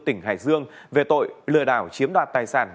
tỉnh hải dương về tội lừa đảo chiếm đoạt tài sản